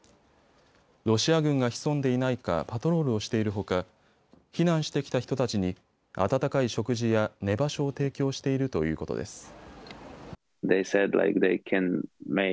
ロシア軍が潜んでいないかパトロールをしているほか避難してきた人たちに温かい食事や寝場所を提供しているということです。